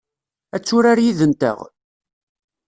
Ad turar yid-nteɣ?